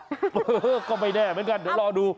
เฮ้อเดี๋ยวก็ไม่แน่เหมือนกันเดี๋ยวลองดู